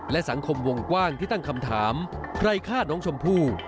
และสังคมวงกว้างที่ตั้งคำถามใครฆ่าน้องชมพู่